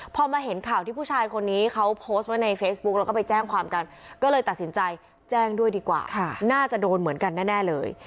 พอมาเห็นข่าวที่ผู้ชายคนนี้เขาโพสต์ไว้ในเฟซบุ๊กแล้วก็ไปแจ้งความกันก็เลยตัดสินใจแจ้งด้วยดีกว่าน่าจะโดนเหมือนกันแน่เลย